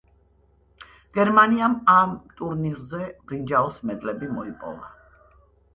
გერმანიამ ამ ტურნირზე ბრინჯაოს მედლები მოიპოვა.